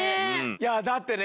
いやだってね